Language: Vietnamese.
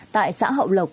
tại xã hậu lộc